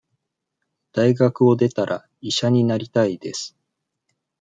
大学を出たら、医者になりたいです。